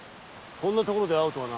こんな所で会うとはな。